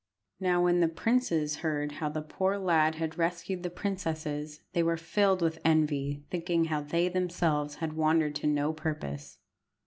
Now when the princes heard how the poor lad had rescued the princesses, they were filled with envy, thinking how they themselves had wandered to no purpose.